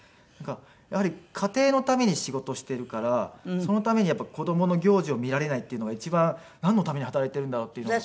やはり家庭のために仕事をしているからそのために子供の行事を見られないっていうのが一番なんのために働いているんだろっていうのが。